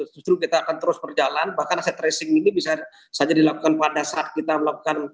justru kita akan terus berjalan bahkan aset tracing ini bisa saja dilakukan pada saat kita melakukan